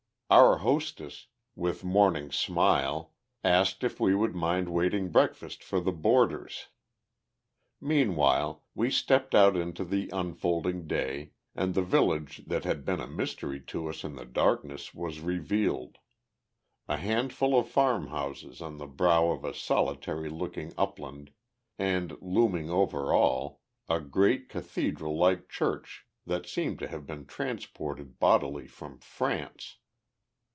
Our hostess, with morning smile, asked if we would mind waiting breakfast for "the boarders." Meanwhile, we stepped out into the unfolding day, and the village that had been a mystery to us in the darkness was revealed; a handful of farmhouses on the brow of a solitary looking upland, and, looming over all, a great cathedral like church that seemed to have been transported bodily from France.